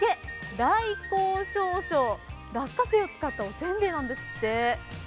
来校証書、落花生を使ったおせんべいなんですって。